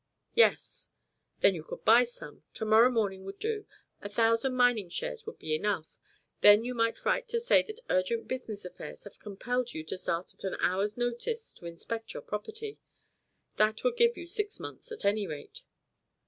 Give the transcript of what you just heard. "Yes." "Then you could buy some. To morrow morning would do. A thousand mining shares would be enough. Then you might write to say that urgent business affairs have compelled you to start at an hour's notice to inspect your property. That would give you six months, at any rate."